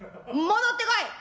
戻ってこい。